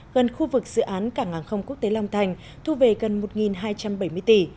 gần khu vực dự án cảng hàng không quốc tế long thành thu về gần một hai trăm bảy mươi tỷ